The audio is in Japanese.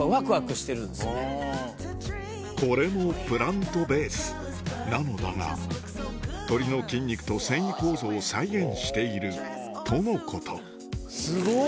これもプラントベースなのだが鶏の筋肉と繊維構造を再現しているとのことすごっ！